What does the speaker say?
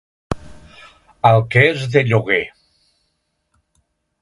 El que és de lloguer.